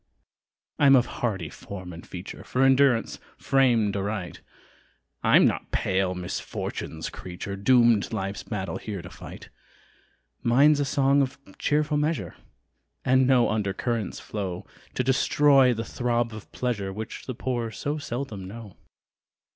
I'm of hardy form and feature, For endurance framed aright; I'm not pale misfortune's creature, Doomed life's battle here to fight: Mine's a song of cheerful measure, And no under currents flow To destroy the throb of pleasure Which the poor so seldom know.